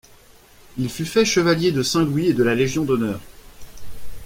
Il fut fait chevalier de Saint-Louis et de la Légion d'honneur.